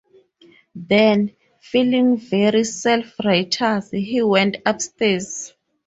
Then, feeling very self-righteous, he went upstairs.